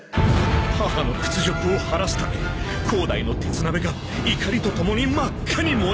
「母の屈辱を晴らすため広大の鉄鍋が怒りとともに真っ赤に燃え上がる！」